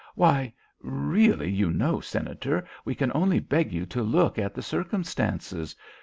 "Why, really, you know, Senator, we can only beg you to look at the circumstances.